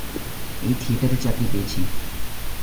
এই থিয়েটারে চাকরি পেয়েছি।